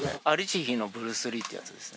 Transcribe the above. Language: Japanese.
ありし日のブルース・リーってやつですね。